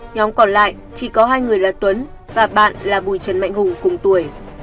nhóm còn lại chỉ có hai người là tuấn và bạn là bùi trần mạnh hùng cùng tuổi